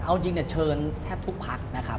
เอาจริงเชิญแทบทุกพักนะครับ